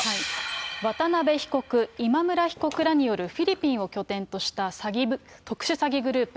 渡辺被告、今村被告らによるフィリピンを拠点とした特殊詐欺グループ。